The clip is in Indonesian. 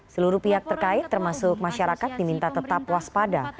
seluruh pihak terkait termasuk masyarakat diminta tetap waspada